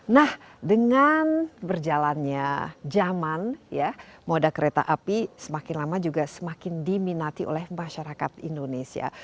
nah dengan berjalannya zaman ya moda kereta api semakin lama juga semakin diminati oleh masyarakat indonesia